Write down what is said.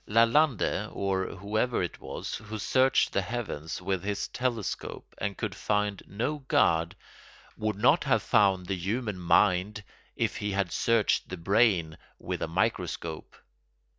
Lalande, or whoever it was, who searched the heavens with his telescope and could find no God, would not have found the human mind if he had searched the brain with a microscope.